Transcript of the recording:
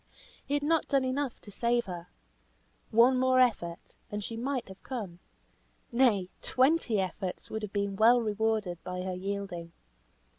He had not done enough to save her. One more effort, and she might have come. Nay, twenty efforts would have been well rewarded by her yielding.